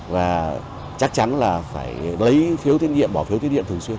và chắc chắn là phải lấy phiếu tiết nhiệm bỏ phiếu tiết điện thường xuyên